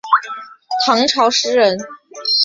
唐朝诗人。